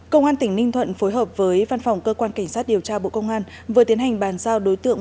công an tỉnh ninh thuận phối hợp với văn phòng cơ quan cảnh sát điều tra bộ công an vừa tiến hành bàn giao đối tượng